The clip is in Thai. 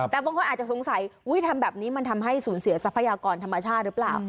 แต่บางคนอาจจะสงสัยทำแบบนี้มันทำให้สูญเสียทรัพยากรธรรมชาติหรือเปล่า